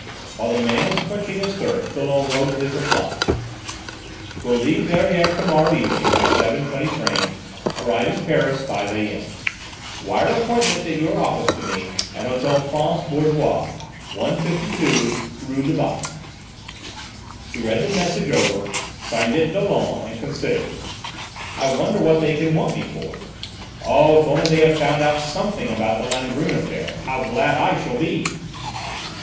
While the man was quenching his thirst Dollon wrote his reply: "Will leave Verrières to morrow evening by 7.20 train, arriving Paris 5 A.M. Wire appointment at your office to me at Hôtel Francs Bourgeois, 152 rue du Bac." He read the message over, signed it "Dollon" and considered. "I wonder what they can want me for? Oh, if only they have found out something about the Langrune affair, how glad I shall be!"